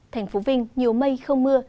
thành phố vinh nhiều mây không mưa